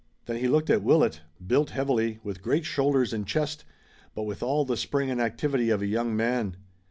Then he looked at Willet, built heavily, with great shoulders and chest, but with all the spring and activity of a young man.